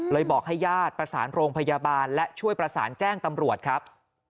บอกให้ญาติประสานโรงพยาบาลและช่วยประสานแจ้งตำรวจครับ